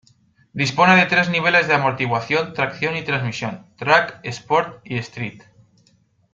Dispone de tres niveles de amortiguación, tracción y transmisión: "Track", "Sport" y "Street".